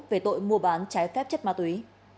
về tội mua bán trái phép chất ma túy